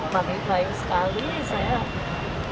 makin baik sekali saya